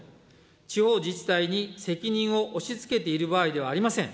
地方自治体に責任を押しつけている場合ではありません。